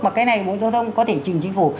mà cái này bộ giao thông có thể trình chính phủ